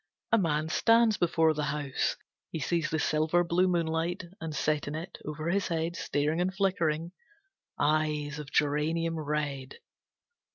A man stands before the house. He sees the silver blue moonlight, and set in it, over his head, staring and flickering, eyes of geranium red.